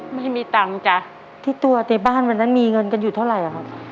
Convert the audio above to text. ไม่มีตังค์จ้ะที่ตัวในบ้านวันนั้นมีเงินกันอยู่เท่าไหร่ครับ